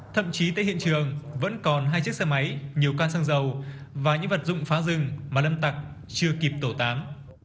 thậm chí tại hiện trường vẫn còn hai chiếc xe máy nhiều can xăng dầu và những vật dụng phá rừng mà lâm tặc chưa kịp tẩu tán